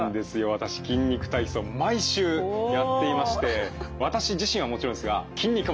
私「筋肉体操」毎週やっていまして私自身はもちろんですが筋肉も大変興奮してます。